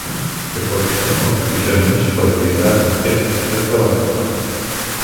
E por iso o que quixemos foi blindar este aspecto da norma.